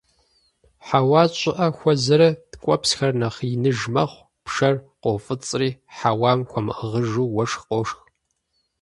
Хьэуа щӀыӀэ хуэзэрэ – ткӀуэпсхэр нэхъ иныж мэхъу, пшэр къоуфӀыцӀри, хьэуам хуэмыӀыгъыжу уэшх къошх.